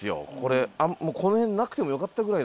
もうこの辺なくてもよかったぐらい。